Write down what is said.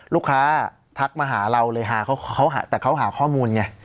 ลูกค้าทักมาหาเราเลยแต่เขาหาข้อมูลไง